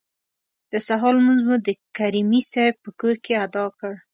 د سهار لمونځ مو د کریمي صیب په کور کې ادا کړ.